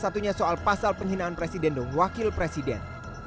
satunya soal pasal penghinaan presiden dan wakil presiden